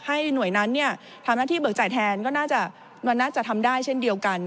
หน่วยนั้นทำหน้าที่เบิกจ่ายแทนก็น่าจะมันน่าจะทำได้เช่นเดียวกัน